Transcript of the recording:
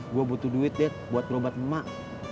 gue butuh duit deh buat berobat emak